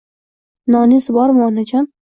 — Noniz bormi, onajon?!